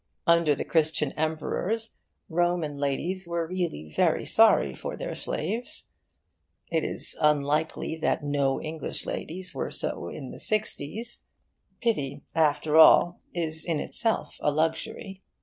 Under the Christian Emperors, Roman ladies were really very sorry for their slaves. It is unlikely that no English ladies were so in the 'sixties. Pity, after all, is in itself a luxury.